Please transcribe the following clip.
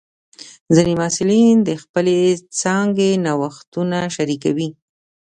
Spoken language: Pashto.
ځینې محصلین د خپلې څانګې نوښتونه شریکوي.